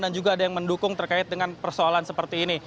dan juga ada yang mendukung terkait dengan persoalan seperti ini